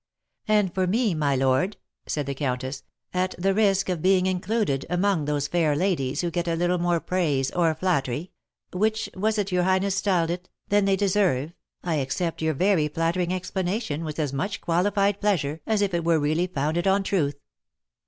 "And for me, my lord," said the countess, "at the risk of being included among those fair ladies who get a little more praise or flattery (which was it your highness styled it?) than they deserve, I accept your very flattering explanation with as much qualified pleasure as if it were really founded on truth."